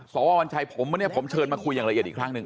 สววัญชัยผมวันนี้ผมเชิญมาคุยอย่างละเอียดอีกครั้งหนึ่ง